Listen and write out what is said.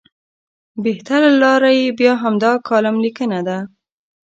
بهتره لاره یې بیا همدا کالم لیکنه ده.